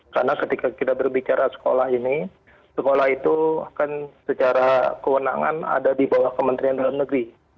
karena ketika kita berbicara sekolah ini sekolah itu kan secara kewenangan ada di bawah kementerian dalam negeri